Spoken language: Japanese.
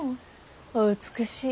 お美しい。